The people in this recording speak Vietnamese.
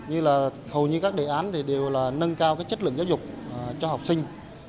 hầu như các đề án đều là nâng cao chất lượng giáo dục cho học sinh